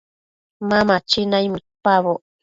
Ma machi naimëdpaboc